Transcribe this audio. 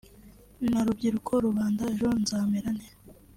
na Rubyiruko rubanda ejo nzamerante